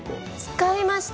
使いました。